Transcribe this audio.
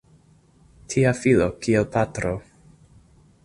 Tia filo kiel patro!